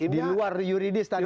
di luar yuridis tadi